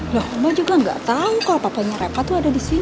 loh mbak juga gak tahu kok apa apanya reva tuh ada di sini